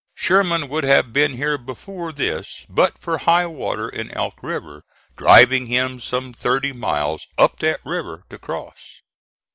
Sherman would have been here before this but for high water in Elk River driving him some thirty miles up that river to cross."